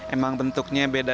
emang bentuknya beda